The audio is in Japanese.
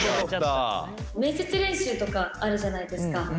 面接練習とかあるじゃないですか。